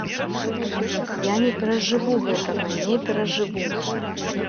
Я не перажыву гэтага, не перажыву.